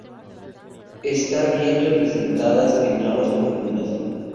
Están bien representadas en aguas profundas.